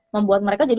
membuat mereka jadi